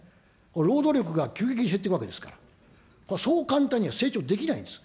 労働力が急激に減っていくわけですから、これはそう簡単に成長できないんです。